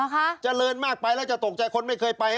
คะเจริญมากไปแล้วจะตกใจคนไม่เคยไป